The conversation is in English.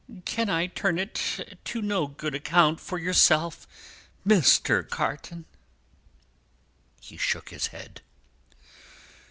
Can I turn it to no good account for yourself, Mr. Carton?" He shook his head.